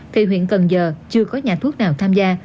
thì huyện cần giờ chưa có nhà thuốc nào tham gia